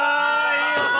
いい音！